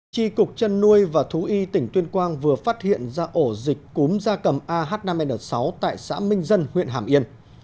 chi cục chân nuôi và thú y tỉnh tuyên quang vừa phát hiện ra ổ dịch cúm da cầm ah năm n sáu tại xã minh dân huyện hàm yên